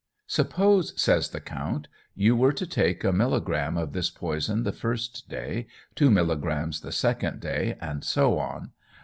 "Suppose," says the Count, "you were to take a millegramme of this poison the first day, two millegrammes the second day, and so on.